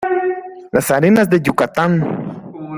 las arenas de Yucatán